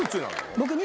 僕。